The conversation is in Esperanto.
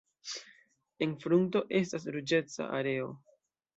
En frunto estas ruĝeca areo.